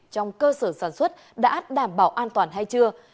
trong cơ sở sản xuất đã đảm bảo an toàn hay chưa